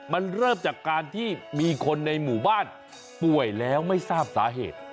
มันเริ่มจากการที่มีคนในหมู่บ้านป่วยแล้วไม่ทราบสาเหตุ